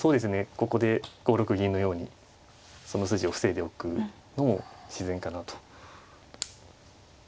ここで５六銀のようにその筋を防いでおくのも自然かなと。